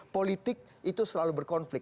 politik itu selalu berkonflik